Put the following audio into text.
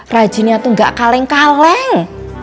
rajinnya itu gak kaleng kaleng